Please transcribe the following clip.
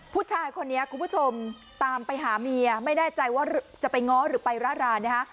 ผู้ชายคนนี้คุณผู้ชมตามไปหาเมียไม่แน่ใจว่าจะไปง้อหรือไปร่ารานนะฮะ